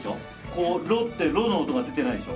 コロって「ロ」の音が出てないでしょ。